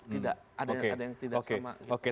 tidak ada yang tidak sama oke oke